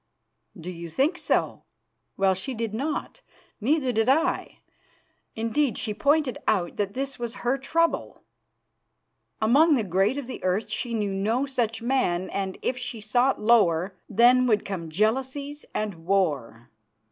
"Do you think so? Well, she did not, neither did I. Indeed, she pointed out that this was her trouble. Among the great of the earth she knew no such man, and, if she sought lower, then would come jealousies and war."